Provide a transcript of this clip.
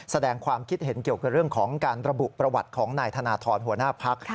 แสดงความคิดเห็นเกี่ยวกับเรื่องของการระบุประวัติของนายธนทรหัวหน้าพัก